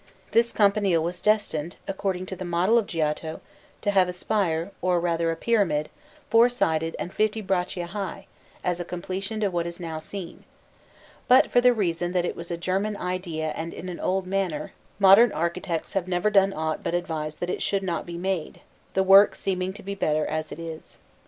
This campanile was destined, according to the model of Giotto, to have a spire, or rather a pyramid, four sided and fifty braccia high, as a completion to what is now seen; but, for the reason that it was a German idea and in an old manner, modern architects have never done aught but advise that it should not be made, the work seeming to be better as it is.